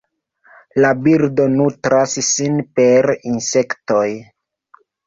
La birdo nutras sin per insektoj.